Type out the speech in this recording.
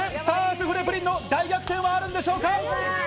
スフレ・プリンの大逆転はあるのでしょうか？